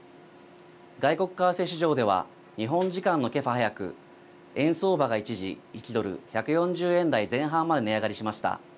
外国為替市場では日本時間のけさ早く円相場が一時、１ドル１４０円台前半まで値上がりしました。